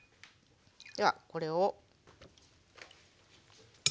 ではこれを。